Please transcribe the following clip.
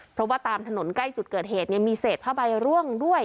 เพราะว่าตามถนนใกล้จุดเกิดเหตุมีเศษผ้าใบร่วงด้วย